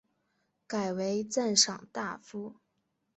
改为赞善大夫。